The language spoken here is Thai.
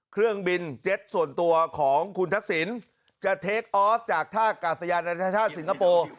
เครื่องบินเจ็ตส่วนตัวของคุณทักษิณจะเทคออสจากท่ากาศยานานาชาติสิงคโปร์